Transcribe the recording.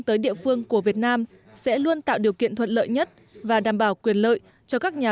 tới địa phương của việt nam sẽ luôn tạo điều kiện thuận lợi nhất và đảm bảo quyền lợi cho các nhà